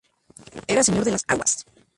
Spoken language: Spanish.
Era "Señor de las aguas".